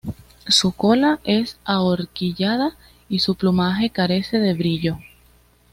Su cola es ahorquillada y su plumaje carece de brillo.